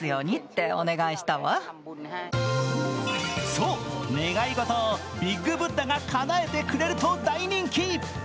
そう、願い事をビッグブッダがかなえてくれると大人気。